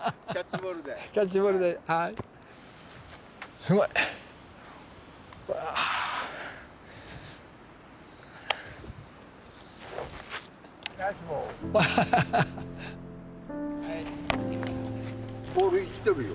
ボール生きとるよ。